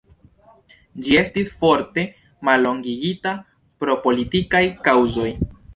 Ĝi estis forte mallongigita pro politikaj kaŭzoj.